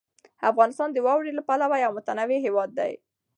افغانستان د واورو له پلوه یو متنوع هېواد دی.